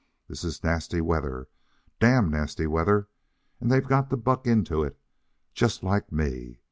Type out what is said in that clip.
This is nasty weather, damn nasty weather, and they've got to buck into it just like me.